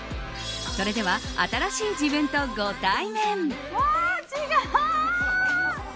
それでは、新しい自分とご対面。